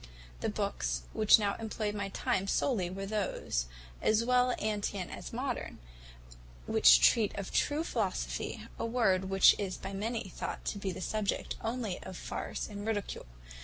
The books which now employed my time solely were those, as well antient as modern, which treat of true philosophy, a word which is by many thought to be the subject only of farce and ridicule.